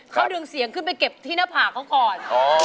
ครึ่งเรื่องเสียงขึ้นไปเก็บที่หน้าผากเขาก่อน